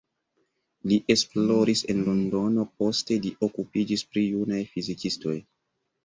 Li esploris en Londono, poste li okupiĝis pri junaj fizikistoj.